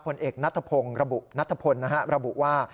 ผลเอกนัทพงศ์ระบุว่า